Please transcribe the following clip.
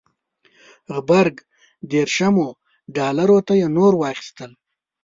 غبرګ دېرشمو ډالرو ته یې نور واخیستل.